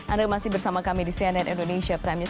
anda masih bersama kami di cnn indonesia prime news